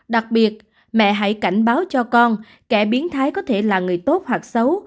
đặc biệt mẹ hãy cảnh báo cho con kẻ biến thái có thể là người tốt hoặc xấu